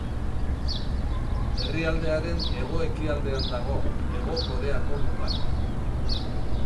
Herrialdearen hego-ekialdean dago, Hego Koreako mugan.